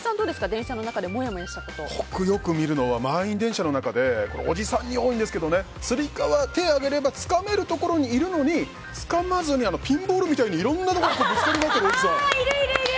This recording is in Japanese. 電車の中で僕よく見るのは満員電車でおじさんに多いんですけどつり革、手を上げればつかまれるところにいるのにつかまずにピンボールみたいにいろんなところにぶつかりまくるおじさん。